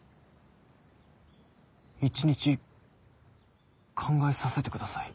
一日考えさせてください。